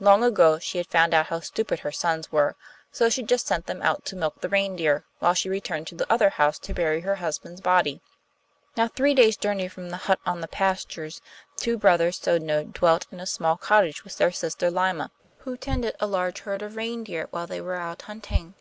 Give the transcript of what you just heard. Long ago she had found out how stupid her sons were, so she just sent them out to milk the reindeer, while she returned to the other house to bury her husband's body. Now, three days' journey from the hut on the pastures two brothers Sodno dwelt in a small cottage with their sister Lyma, who tended a large herd of reindeer while they were out hunting.